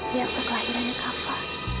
di waktu kelahiran kava